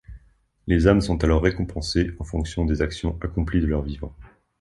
Les âmes sont alors récompensées en fonction des actions accomplies de leur vivant.